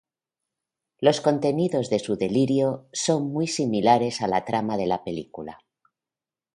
Los contenidos de su delirio son muy similares a la trama de la película.